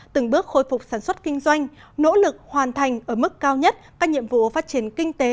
từng bước khôi phục sản xuất kinh doanh nỗ lực hoàn thành ở mức cao nhất các nhiệm vụ phát triển kinh tế